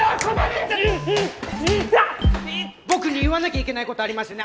僕に言わなきゃいけないことありますよね？